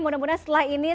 mudah mudahan setelah ini